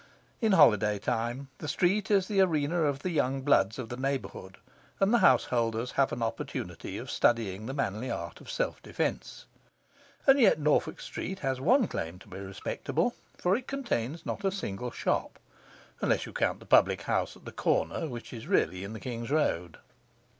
In holiday time the street is the arena of the young bloods of the neighbourhood, and the householders have an opportunity of studying the manly art of self defence. And yet Norfolk Street has one claim to be respectable, for it contains not a single shop unless you count the public house at the corner, which is really in the King's Road.